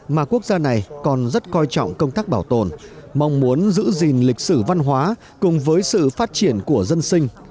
mà quốc gia này còn rất coi trọng công tác bảo tồn mong muốn giữ gìn lịch sử văn hóa cùng với sự phát triển của dân sinh